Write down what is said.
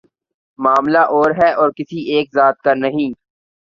معاملہ اور ہے اور کسی ایک ذات کا نہیں۔